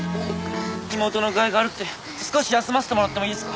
妹の具合が悪くて少し休ませてもらってもいいですか？